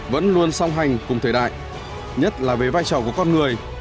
vẫn luôn song hành cùng thời đại nhất là về vai trò của con người